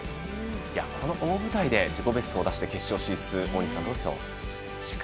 この大舞台で自己ベストを出して決勝進出、大西さんいかがでしょう。